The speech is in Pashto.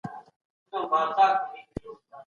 دلته وېشونه د نصیب دي ګیله نه اوري څوک